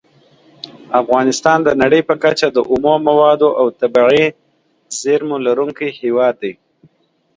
افغانستان د نړۍ په کچه د اومو موادو او طبیعي زېرمو لرونکی هیواد دی.